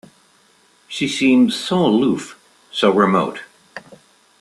She seems so aloof, so remote.